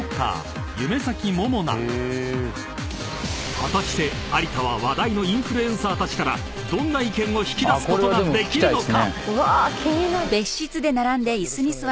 ［果たして有田は話題のインフルエンサーたちからどんな意見を引き出すことができるのか？］